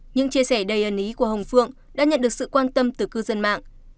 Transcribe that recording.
những chia sẻ đầy ẩn ý của hồng phượng đã nhận được sự quan tâm từ cư dân mạng